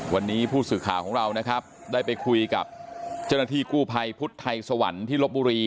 วันนี้ผู้สื่อข่าวของเรานะครับได้ไปคุยกับเจ้าหน้าที่กู้ภัยพุทธไทยสวรรค์ที่ลบบุรี